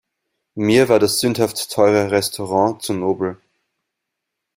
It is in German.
Mir war das sündhaft teure Restaurant zu nobel.